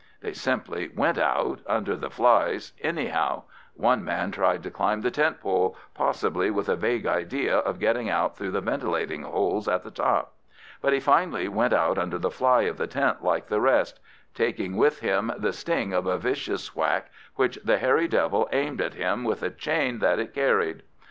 They simply went out, under the flies, anyhow; one man tried to climb the tent pole, possibly with a vague idea of getting out through the ventilating holes at the top, but he finally went out under the fly of the tent like the rest, taking with him the sting of a vicious whack which the hairy devil aimed at him with a chain that it carried.